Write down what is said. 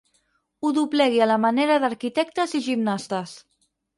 Ho doblegui a la manera d'arquitectes i gimnastes.